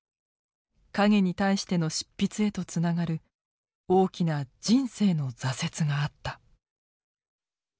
「影に対して」の執筆へとつながる大きな「人生」の挫折があった。